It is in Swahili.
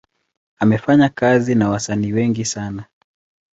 Amefanya kazi na wasanii wengi sana.